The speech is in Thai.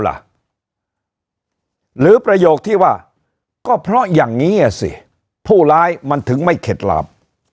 หรือประโยคที่ว่าก็เพราะอย่างนี้อ่ะสิผู้ร้ายมันถึงไม่เข็ดหลาบ